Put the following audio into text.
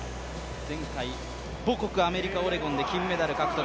前回母国アメリカ・オレゴンで金メダル獲得。